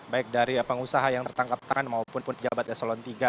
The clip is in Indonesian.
baik dari pengusaha yang tertangkap tangan maupun pun pejabat eselon iii